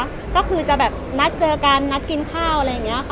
ใช่ไหมคะก็คือจะแบบนัดเจอกันนัดกินข้าวอะไรอย่างเงี้ยค่ะ